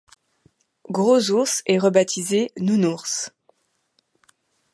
Gros Ours est rebaptisé Nounours.